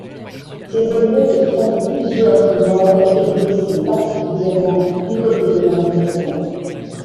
Ces émeutes font plusieurs morts et blessés, particulièrement du côté des manifestants.